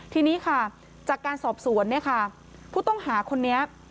ทีนี้จากการสอบสวนผู้ต้องหาคนนี้